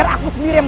tak diam jadi aku